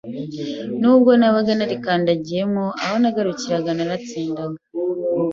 n’ubwo nabaga ntarikandagiyemo aho nagarukiraga naratsindaga.